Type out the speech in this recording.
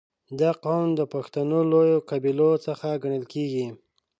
• دا قوم د پښتنو لویو قبیلو څخه ګڼل کېږي.